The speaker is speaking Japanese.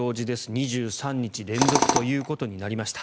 ２３日連続ということになりました。